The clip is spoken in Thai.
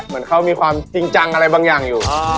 เหมือนเขามีความจริงจังอะไรบางอย่างอยู่